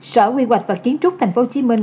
sở quy hoạch và kiến trúc thành phố hồ chí minh